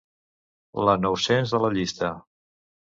La nou-cents de la llista.